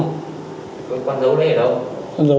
nóng dấu đấy ở đâu